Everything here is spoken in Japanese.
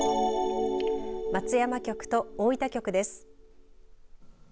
松山局と大分局です。